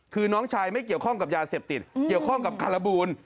คือน้องชายไม่เกี่ยวข้องกับยาเสพติดเกี่ยวข้องกับคาราบูล